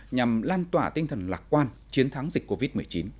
nhằm lan tỏa tinh thần lạc quan chiến thắng dịch covid một mươi chín